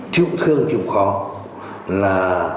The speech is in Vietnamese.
chịu thương chịu khó là